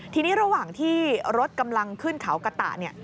ทีนี้ระหว่างที่รถกำลังขึ้นเขากระตะ